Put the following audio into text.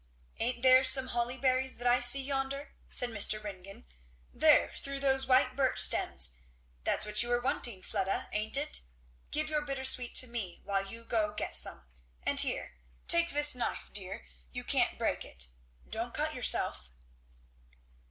"Ain't there some holly berries that I see yonder?" said Mr. Ringgan, "there, through those white birch stems? That's what you were wanting, Fleda, ain't it? Give your bittersweet to me while you go get some, and here, take this knife dear, you can't break it. Don't cut yourself."